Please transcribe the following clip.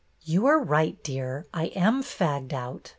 "You are right, dear, I am fagged out.